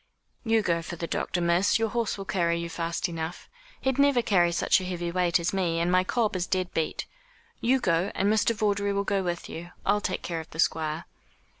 "You go for the doctor, miss; your horse will carry you fast enough. He'd never carry such a heavy weight as me, and my cob is dead beat. You go, and Mr. Vawdrey will go with you. I'll take care of the Squire."